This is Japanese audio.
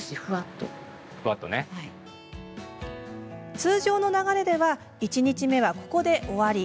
通常の流れでは１日目は、ここで終わり。